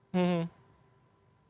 langsung kita bawa ke bpkp kok